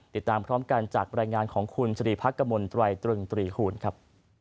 ติดตามพร้อมกันจากรายงานของคุณสรีพักกมลตรายตรึงตรีคูณครับ